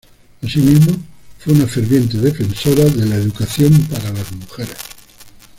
Asimismo, fue una ferviente defensora de la educación para las mujeres.